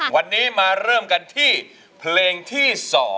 วันนี้มาเริ่มกันที่เพลงที่๒